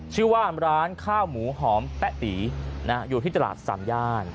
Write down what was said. ชื่อว่าร้านข้าวหมูหอมแป๊ะตีอยู่ที่ตลาดสามย่าน